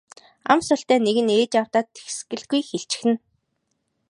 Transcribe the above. Ам султай нэг нь ээж аавдаа тэсгэлгүй хэлчихнэ.